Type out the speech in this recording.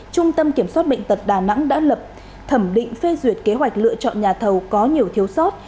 trung tâm kiểm soát bệnh tật đà nẵng đã lập thẩm định phê duyệt kế hoạch lựa chọn nhà thầu có nhiều thiếu sót